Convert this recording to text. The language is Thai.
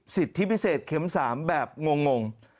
สิทธิพิเศษเข็ม๓แบบงง